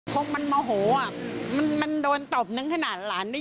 พวกมันแม่โหอ่ะมันโดนตบนึงขนาดหลานได้ยิน